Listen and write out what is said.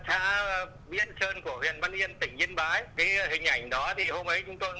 cái hình ảnh đó thì hôm ấy chúng tôi bắt gặp được là